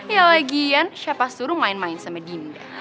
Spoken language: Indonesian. ya lagian siapa suruh main main sama dinda